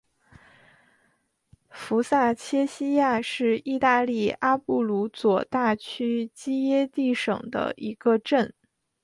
福萨切西亚是意大利阿布鲁佐大区基耶蒂省的一个镇。